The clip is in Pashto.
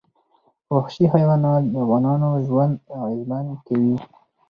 وحشي حیوانات د افغانانو ژوند اغېزمن کوي.